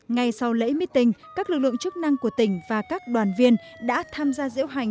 ngay sau lễ meeting các lực lượng chức năng của tỉnh và các đoàn viên đã tham gia diễu hành